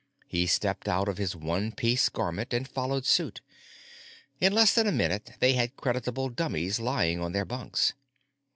He stepped out of his one piece garment and followed suit. In less than a minute they had creditable dummies lying on their bunks.